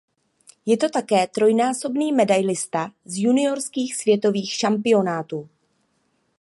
Je to také trojnásobný medailista z juniorských světových šampionátů.